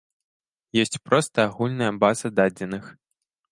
Ёсць проста агульная база дадзеных.